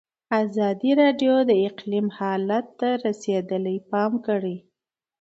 ازادي راډیو د اقلیم حالت ته رسېدلي پام کړی.